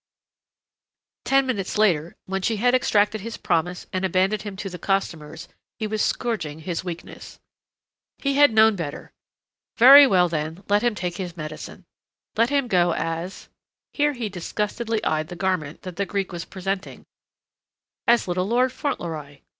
Ten minutes later, when she had extracted his promise and abandoned him to the costumers, he was scourging his weakness. He had known better! Very well, then, let him take his medicine. Let him go as here he disgustedly eyed the garment that the Greek was presenting as Little Lord Fauntleroy!